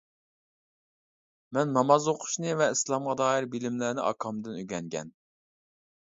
مەن ناماز ئوقۇشنى ۋە ئىسلامغا دائىر بىلىملەرنى ئاكامدىن ئۆگەنگەن.